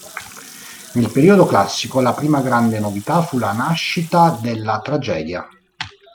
Nel periodo classico, la prima grande novità fu la nascita della tragedia.